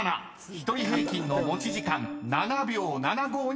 ［１人平均の持ち時間７秒７５になりました］